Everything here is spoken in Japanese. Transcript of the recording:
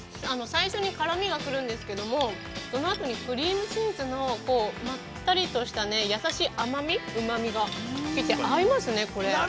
◆最初に辛みが来るんですけれども、その後にクリームチーズのまったりとした、優しい、うまみが来て合いますね、これ。